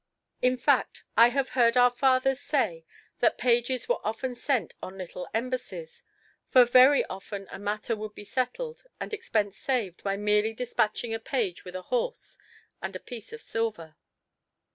In fact, I have heard our fathers say that pages were often sent on little embassies, for very often a matter would be settled and expense saved by merely despatching a page with a horse and a piece of silver.